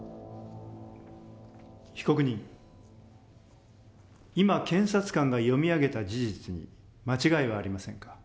被告人今検察官が読み上げた事実に間違いはありませんか？